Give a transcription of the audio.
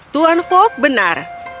tuan fog benar